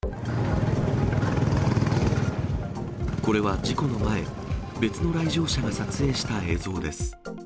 これは事故の前、別の来場者が撮影した映像です。